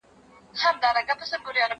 زه به سبا لوبه کوم،